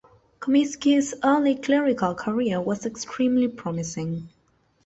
Comiskey's early clerical career was extremely promising.